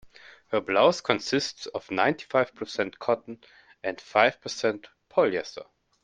Her blouse consists of ninety-five percent cotton and five percent polyester.